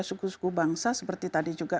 suku suku bangsa seperti tadi juga